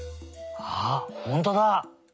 あっほんとうだ！